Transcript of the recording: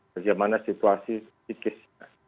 bagaimana situasi psikisnya